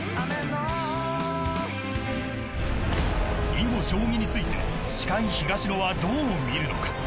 囲碁将棋について司会、東野はどう見るのか。